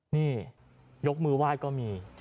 นี่ยกมือไหว้ก็มี